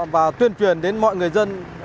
và tuyên truyền đến mọi người dân